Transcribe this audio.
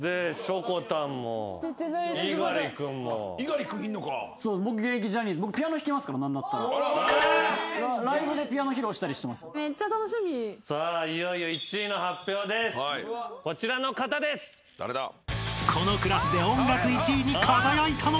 ［このクラスで音楽１位に輝いたのは］